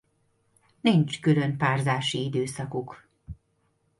Nincs külön párzási időszakuk.